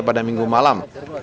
pada minggu malam